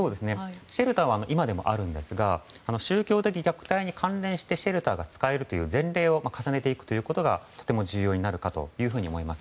シェルターは今でもあるんですが宗教的虐待に関連してシェルターが使えるという前例を重ねていくことがとても重要になるかと思います。